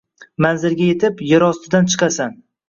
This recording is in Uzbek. Manzilga yetib, yerostidan chiqasan.